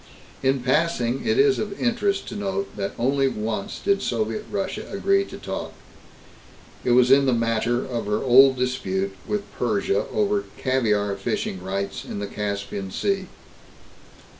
In passing, it is of interest to note that only once did Soviet Russia agree to toss. It was in the matter of her old dispute with Persia over caviar fishing rights in the Caspian Sea.